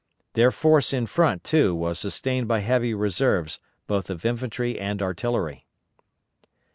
Their force in front, too, was sustained by heavy reserves both of infantry and artillery.